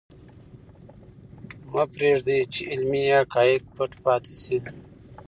مه پرېږدئ چې علمي حقایق پټ پاتې شي.